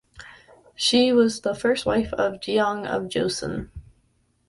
She was the first wife of Yejong of Joseon.